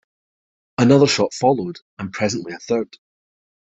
Another shot followed and presently a third.